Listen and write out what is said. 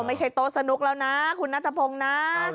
ไม่ใช่โต๊ะสนุกแล้วนะคุณนัทพงศ์นะ